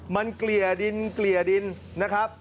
มันเกลี่ยดินนะครับ